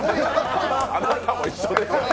あなたも一緒でしょ